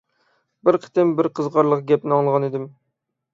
بىر قېتىم بىر قىزىقارلىق گەپنى ئاڭلىغانىدىم.